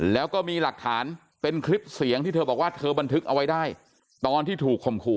แล้วก็มีหลักฐานเป็นคลิปเสียงที่เธอบอกว่าเธอบันทึกเอาไว้ได้ตอนที่ถูกข่มขู่